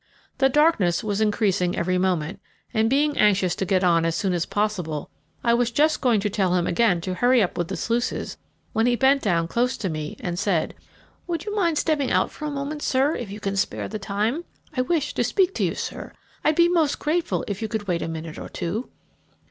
The darkness was increasing every moment, and, being anxious to get on as soon as possible, I was just going to tell him again to hurry up with the sluices, when he bent down close to me, and said, "Would you mind stepping out for a moment, sir, if you can spare the time? I wish to speak to you, sir. I'd be most grateful if you would wait a minute or two."